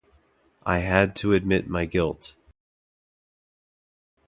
I had to admit my guilt.